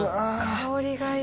香りがいい。